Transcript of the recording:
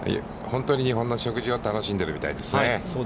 本当に日本の食事を楽しんでいるみたいですね。